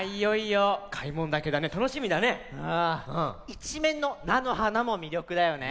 いちめんのなのはなもみりょくだよね。